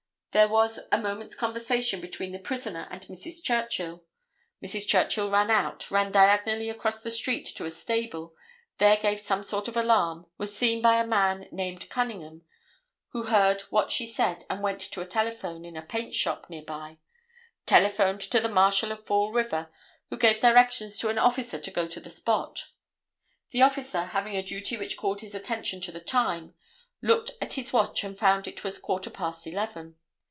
There was a moment's conversation between the prisoner and Mrs. Churchill. Mrs. Churchill ran out, ran diagonally across the street to a stable, there gave some sort of alarm, was seen by a man named Cunningham, who heard what she said and went to a telephone in a paint shop near by, telephoned to the Marshal of Fall River, who gave directions to an officer to go to the spot. The officer, having a duty which called his attention to the time, looked at his watch and found it was quarter past eleven.